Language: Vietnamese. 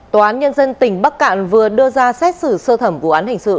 tòa án nhân dân tỉnh bắc cạn vừa đưa ra xét xử sơ thẩm vụ án hình sự